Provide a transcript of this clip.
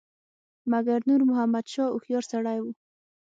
مګر نور محمد شاه هوښیار سړی وو.